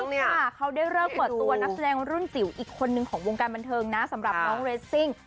เขาได้เลิกเปิดตัวนักแสดงรุ่นจิ๋วอีกคนนึงของวงการบันเทิงนะสำหรับน้องเรสซิ่ง